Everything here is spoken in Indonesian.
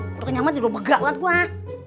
gue udah kenyang banget gue udah begat banget